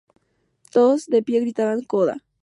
Todos de pie gritaban ¡Coda!